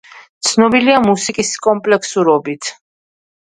ცნობილია მუსიკის კომპლექსურობით.